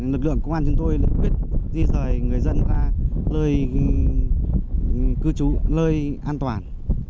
lực lượng công an chúng tôi đã quyết di rời người dân ra lơi cư trú lơi an toàn